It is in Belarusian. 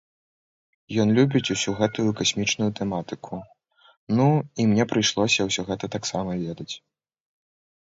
Ён любіць усю гэтую касмічную тэматыку, ну, і мне прыйшлося ўсё гэта таксама ведаць.